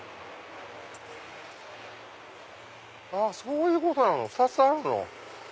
あっそういうことなの２つあるの。